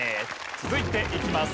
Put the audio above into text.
続いていきます。